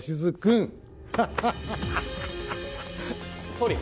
・総理。